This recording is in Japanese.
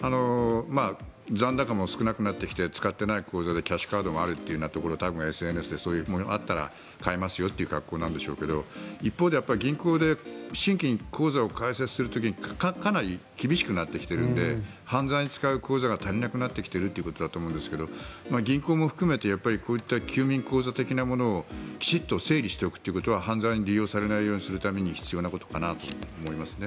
残高も少なくなってきて使っていない口座のキャッシュカードがあるというところＳＮＳでそういうものがあったら買いますよという格好なんでしょうが一方で銀行で新規に口座を開設する時にかなり厳しくなってきているので犯罪に使う口座が足りなくなってきているということだと思いますが銀行も含めて休眠口座的なものをきちっと整理しておくということは犯罪に利用されないためには必要なことかなと思いますね。